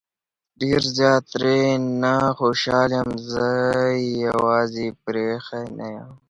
ډېر زيات ترې نه خوشحال يم زه يې يوازې پرېښی نه يم